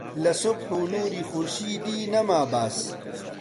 لە سوبح و نووری خورشیدی نەما باس